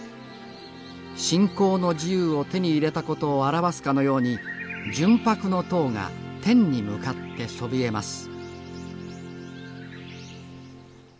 信仰の自由を手に入れた事を表すかのように純白の塔が天に向かってそびえます